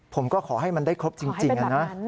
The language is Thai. ผมก็ขอให้มันได้ครบจริงนะ